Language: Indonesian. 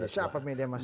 siapa media masa